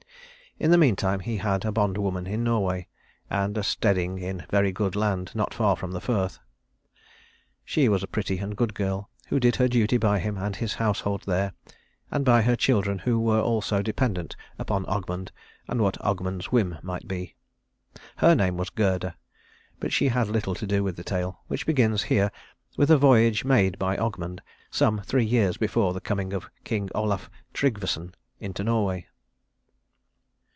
In the meantime, he had a bondwoman in Norway, and a steading in very good land not far from the firth. She was a pretty and good girl who did her duty by him and his household there, and by her children also who were dependent upon Ogmund and what Ogmund's whim might be. Her name was Gerda; but she has little to do with the tale, which begins here with a voyage made by Ogmund some three years before the coming of King Olaf Trygvasson into Norway.